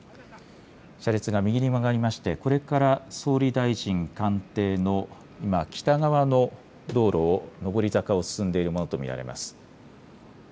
車列が右に曲がりましてこれから総理大臣官邸の今、北側の道路を、上り坂を進んでいるものと見られます。